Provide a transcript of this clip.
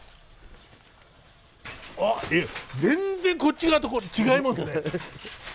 あっ全然こっち側と違いますね。